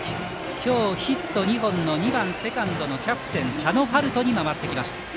今日、ヒット２本の２番セカンドのキャプテン佐野春斗に回ってきました。